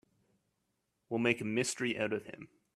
We'll make a mystery out of him.